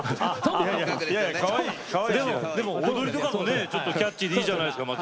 踊りとかもキャッチーでいいじゃないですか。